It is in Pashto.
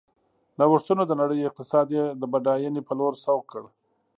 نوښتونو د نړۍ اقتصاد یې د بډاینې په لور سوق کړ.